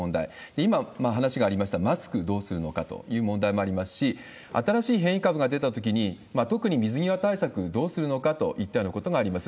今も話がありました、マスクどうするのかという問題もありますし、新しい変異株が出たときに、特に水際対策どうするのかといったようなことがあります。